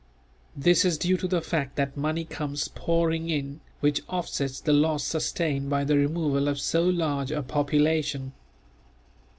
This is due to the fact that money comes pouring in which offsets the loss sustained by the removal of so large a population.